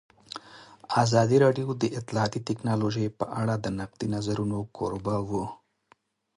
ازادي راډیو د اطلاعاتی تکنالوژي په اړه د نقدي نظرونو کوربه وه.